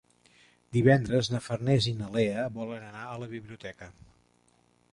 Divendres na Farners i na Lea volen anar a la biblioteca.